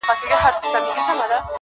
دېوالونه په پردو کي را ايسار دي